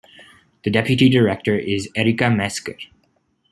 The Deputy Director is Erika Mezger.